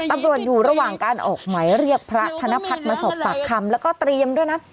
ตำรวจอยู่ระหว่างการออกหมายเรียกพระธนพัฒน์มาสอบปากคำแล้วก็เตรียมด้วยนะ